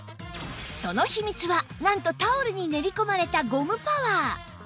その秘密はなんとタオルに練り込まれたゴムパワー